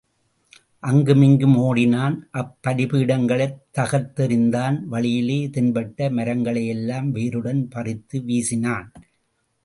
அங்குமிங்கும் ஓடினான் அப்பலிபீடங்களைத் தகர்த்தெறிந்தான் வழியிலே தென்பட்ட மரங்களையெல்லாம் வேருடன் பறித்து வீசினான்.